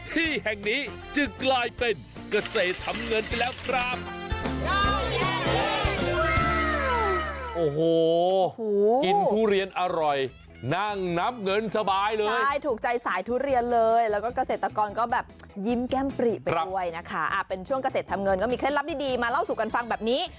ที่แห่งนี้จึงกลายเป็นเกษตรทำเงินไปแล้วครับ